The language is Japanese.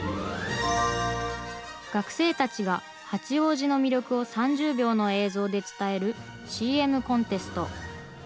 学生たちが八王子の魅力を３０秒の映像で伝えるＣＭコンテスト。